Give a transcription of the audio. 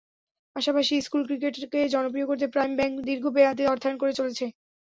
পাশাপাশি স্কুল ক্রিকেটকে জনপ্রিয় করতে প্রাইম ব্যাংক দীর্ঘ মেয়াদে অর্থায়ন করে চলেছে।